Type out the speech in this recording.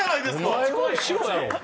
お前は後ろやろ。